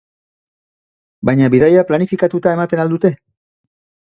Baina bidaia planifikatuta ematen al dute?